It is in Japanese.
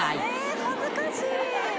恥ずかしい。